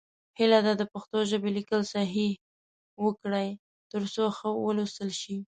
هیله ده د پښتو ژبې لیکل صحیح وکړئ، تر څو ښه ولوستل شي.